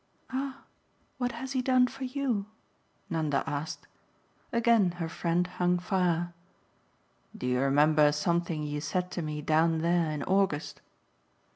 "Ah what has he done for you?" Nanda asked. Again her friend hung fire. "Do you remember something you said to me down there in August?"